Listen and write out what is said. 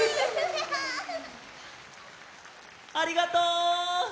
ありがとう！